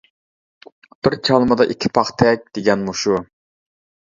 بىر چالمىدا ئىككى پاختەك دېگەن مۇشۇ.